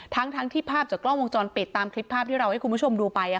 ทั้งที่ภาพจากกล้องวงจรปิดตามคลิปภาพที่เราให้คุณผู้ชมดูไป